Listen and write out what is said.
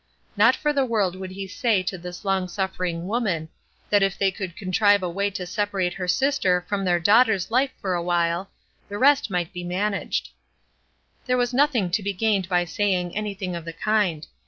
Not for the world would he say to this long suffering woman that if they could contrive a way to separate her sister from their daughter's life for a while, the rest might be managed. There was nothing to be gained by saying anything of the kind.